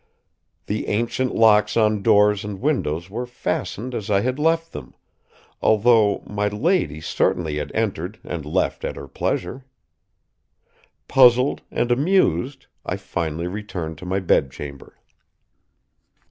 The ancient locks on doors and windows were fastened as I had left them, although my lady certainly had entered and left at her pleasure. Puzzled and amused, I finally returned to my bedchamber.